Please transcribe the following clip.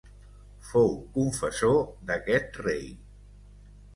Fou confessor d'aquest rei.